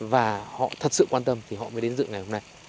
và họ thật sự quan tâm thì họ mới đến dự ngày hôm nay